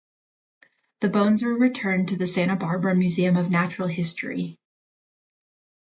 The bones were returned to the Santa Barbara Museum of Natural History.